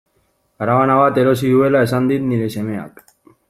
Karabana bat erosi duela esan dit nire semeak.